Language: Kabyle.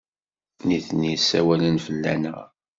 Nitni ssawalen fell-aneɣ.